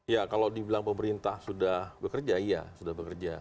ya kalau dibilang pemerintah sudah bekerja iya sudah bekerja